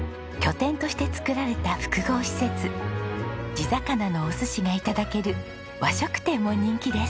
地魚のお寿司が頂ける和食店も人気です。